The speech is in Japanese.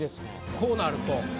こうなると。